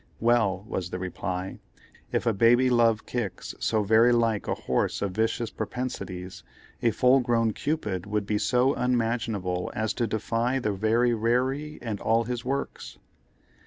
"Well," was the reply, "if a baby love kicks so very like a horse of vicious propensities, a full grown Cupid would be so unmanageable as to defy the very Rarey and all his works."